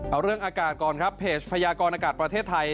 เอาเรื่องอากาศก่อนครับเพจพยากรอากาศประเทศไทย